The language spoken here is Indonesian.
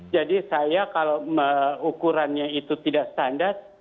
jadi saya kalau ukurannya itu tidak standar